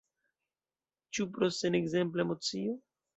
Ĉu pro senekzempla emocio?